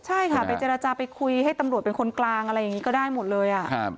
ใช่ค่ะไปเจรจาไปคุยให้ตำรวจเป็นคนกลางอะไรอย่างนี้ก็ได้หมดเลย